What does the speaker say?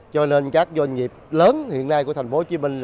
cho nên các doanh nghiệp lớn hiện nay của thành phố hồ chí minh